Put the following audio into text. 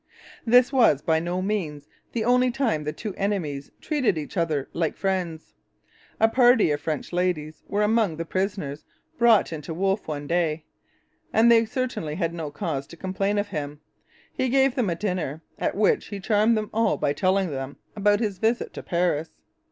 This was by no means the only time the two enemies treated each other like friends. A party of French ladies were among the prisoners brought in to Wolfe one day; and they certainly had no cause to complain of him. He gave them a dinner, at which he charmed them all by telling them about his visit to Paris.